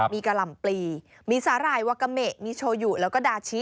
มีกะหล่ำปลีมีสาหร่ายวากาเมะมีโชยุแล้วก็ดาชิ